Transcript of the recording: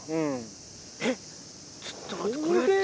えっちょっと待ってこれって。